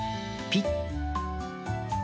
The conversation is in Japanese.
ピッ！